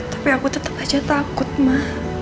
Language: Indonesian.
tapi aku tetep aja takut ma